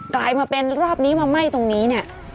กลายมาเป็นรอบนี้มาไหม้ตรงนี้เนี่ย